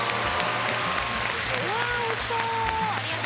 うわおいしそう！